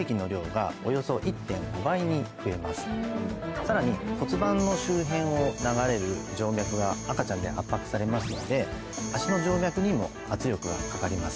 さらに骨盤の周辺を流れる静脈が赤ちゃんで圧迫されますので足の静脈にも圧力がかかります。